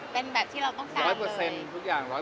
เป็นแบบที่เรากำลังต้องช่างเลย